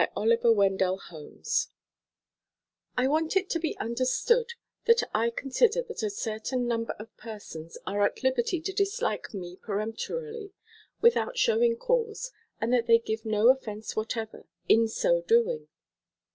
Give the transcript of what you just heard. OLIVER WENDELL HOLMES DISLIKES I want it to be understood that I consider that a certain number of persons are at liberty to dislike me peremptorily, without showing cause, and that they give no offense whatever in so doing.